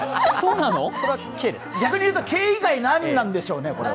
逆に言うと、Ｋ以外何なんでしょうね。